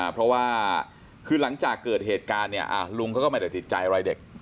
เพราะว่าคือหลังจากเกิดเหตุการณ์เนี่ยลุงเขาก็ไม่ได้ติดใจอะไรเด็ก